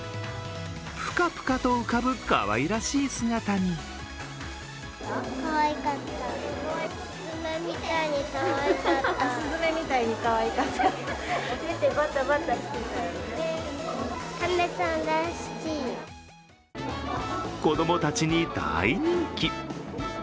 プカプカと浮かぶかわいらしい姿に子供たちに大人気。